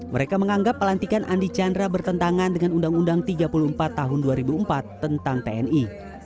mereka menganggap pelantikan andi chandra bertentangan dengan undang undang tiga puluh empat tahun dua ribu empat tentang tni